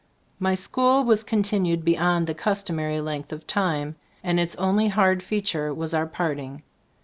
My school was continued be yond the customary length of time, and its only hard feature was our parting.